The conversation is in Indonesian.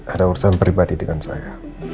ada urusan pribadi dengan saya